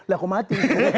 lah aku mati